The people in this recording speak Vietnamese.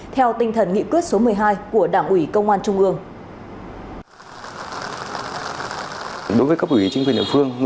theo tinh thần nghị quyết số một mươi hai của đảng ủy công an trung ương